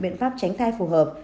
biện pháp tránh thai phù hợp